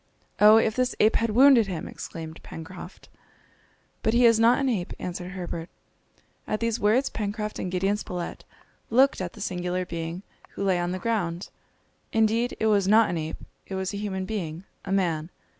"Oh, if this ape had wounded him!" exclaimed Pencroft. "But he is not an ape," answered Herbert. At these words Pencroft and Gideon Spilett looked at the singular being who lay on the ground. Indeed it was not an ape, it was a human being, a man.